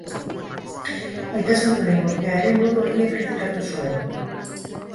Aita Santuaren gortea ere modu argian kritikatu zuen.